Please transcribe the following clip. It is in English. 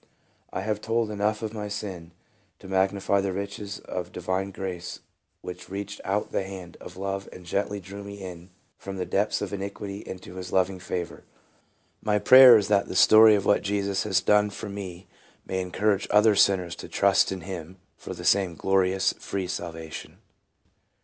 I have told enough of my sin to magnify the riches of divine grace which reached out the hand of love and gently drew me in from the depths of iniquity into his loving favor. My prayer is, that the story of what Jesus has done for me may encourage other sinners to trust in him for the same glorious, free salvation.